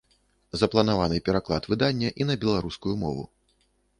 Запланаваны пераклад выдання і на беларускую мову.